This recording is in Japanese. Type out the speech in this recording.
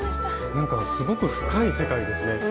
なんかすごく深い世界ですね